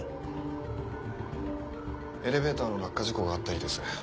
エレベーターの落下事故があった日です。